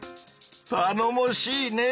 たのもしいねぇ！